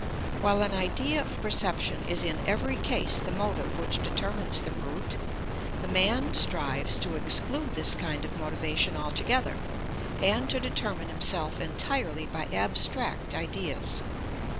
While an idea of perception is in every case the motive which determines the brute, the man strives to exclude this kind of motivation altogether, and to determine himself entirely by abstract ideas.